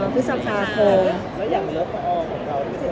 พฤศัพท์สาธารณ์โครง